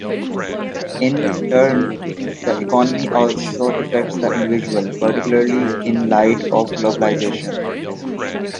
In turn, the economy also affects the individual, particularly in light of globalization.